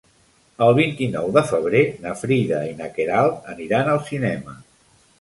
El vint-i-nou de febrer na Frida i na Queralt aniran al cinema.